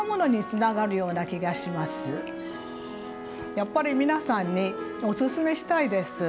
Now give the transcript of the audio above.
やっぱり皆さんにおすすめしたいです。